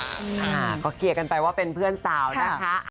อ่าก็เคลียร์กันไปว่าเป็นเพื่อนสาวนะคะ